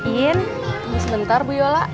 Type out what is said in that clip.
in tunggu sebentar bu yola